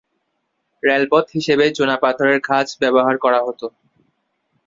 রেলপথ হিসেবে চুনাপাথরের খাঁজ ব্যবহার করা হতো।